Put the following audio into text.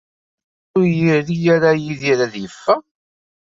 Maɣef ur iri ara Yidir ad yeffeɣ?